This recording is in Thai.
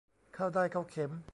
เข้าด้ายเข้าเข็ม